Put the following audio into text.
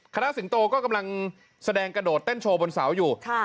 สิงโตก็กำลังแสดงกระโดดเต้นโชว์บนเสาอยู่